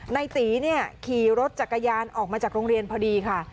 ในตีขี่รถจักรยานออกมาจากโรงเรียนพอดีค่ะ